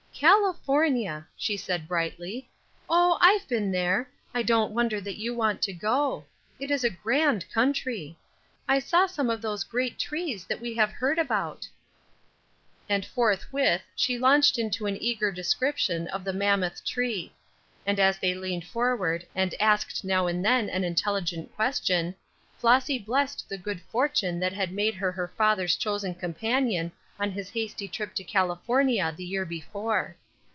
"California," she said, brightly. "Oh, I've been there. I don't wonder that you want to go. It is a grand country. I saw some of those great trees that we have heard about." [Illustration: "Flossy laid her Bible in her lap, and began." Page 35.] And forthwith she launched into an eager description of the mammoth tree; and as they leaned forward, and asked now and then an intelligent question, Flossy blessed the good fortune that had made her her father's chosen companion on his hasty trip to California the year before.